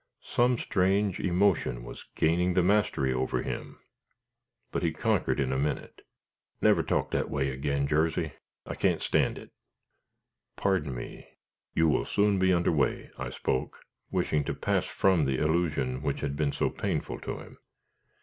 Some strange emotion was gaining the mastery over him; but he conquered in a minute. "Never talk that way agin, Jarsey; I can't stand it." "Pardon me; you will soon be under way," I spoke, wishing to pass from the allusion which had been so painful to him.